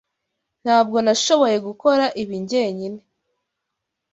Ntabwo nashoboye gukora ibi njyenyine.